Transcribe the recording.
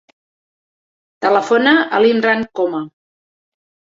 Telefona a l'Imran Coma.